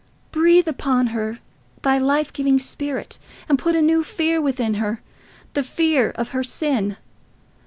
Breathe upon her thy life giving Spirit, and put a new fear within her—the fear of her sin.